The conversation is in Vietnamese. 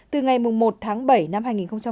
từ ngày một tháng bảy năm hai nghìn một mươi sáu